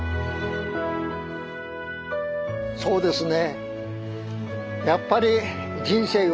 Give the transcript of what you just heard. そうですね